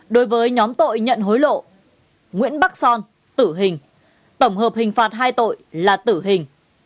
đối với nhóm tội nhận hối lộ nguyễn bắc son tử hình tổng hợp hình phạt hai tội là tử hình